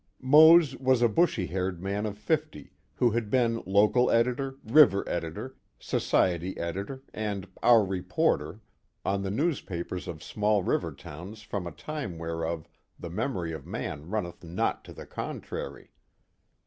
Mose was a bushy haired man of fifty, who had been Local Editor, River Editor, Society Editor, and "Our Reporter" on the newspapers of small river towns from a time whereof the memory of man runneth not to the contrary.